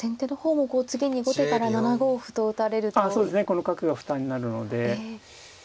この角が負担になるので。